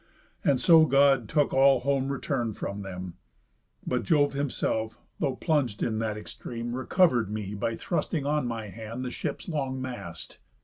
And so God took all home return from them. But Jove himself, though plung'd in that extreme, Recover'd me by thrusting on my hand The ship's long mast.